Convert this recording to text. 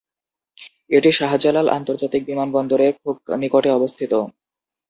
এটি শাহজালাল আন্তর্জাতিক বিমানবন্দর এর খুব নিকটে অবস্থিত।